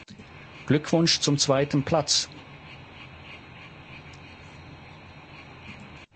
Glückwunsch zum zweiten Platz!